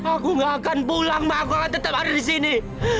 aku nggak akan pulang ma aku akan tetap ada di sini